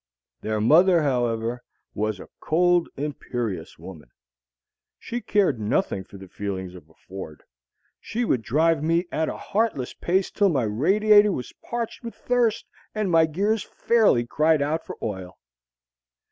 Their mother, however, was a cold, imperious woman. She cared nothing for the feelings of a ford. She would drive me at a heartless pace till my radiator was parched with thirst and my gears fairly cried out for oil.